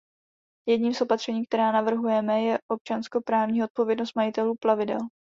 Jedním z opatření, která navrhujeme, je občanskoprávní odpovědnost majitelů plavidel.